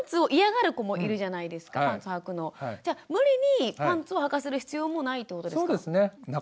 じゃ無理にパンツをはかせる必要もないということですか？